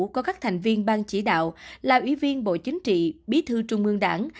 có các thành viên bang chỉ đạo là ủy viên bộ chính trị bí thư trung ương đảng